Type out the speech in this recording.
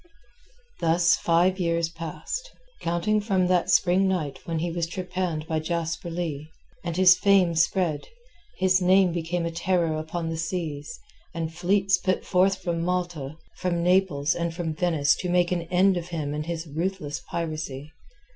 Thus five years passed, counting from that spring night when he was trepanned by Jasper Leigh, and his fame spread, his name became a terror upon the seas, and fleets put forth from Malta, from Naples, and from Venice to make an end of him and his ruthless piracy.